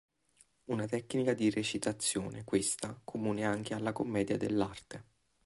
Una tecnica di recitazione questa comune anche alla commedia dell'arte.